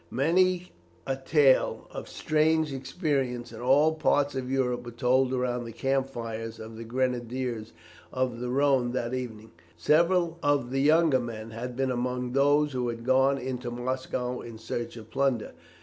Many a tale of strange experience in all parts of Europe was told around the camp fires of the grenadiers of the Rhone that evening. Several of the younger men had been among those who had gone into Moscow in search of plunder.